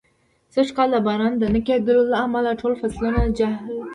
سږ کال د باران د نه کېدلو له امله، ټول فصلونه جل و وهل.